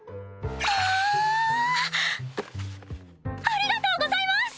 ありがとうございます！